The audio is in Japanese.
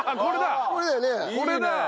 これだ！